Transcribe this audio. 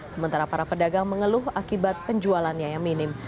sementara para pedagang mengeluh akibat penjualannya yang minim